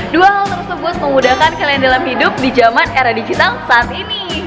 dua hal tersebut memudahkan kalian dalam hidup di zaman era digital saat ini